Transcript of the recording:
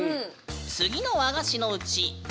次の和菓子のうち何それ。